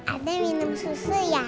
ada minum susu ya